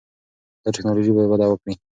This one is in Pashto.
دا ټکنالوژي به وده وکړي.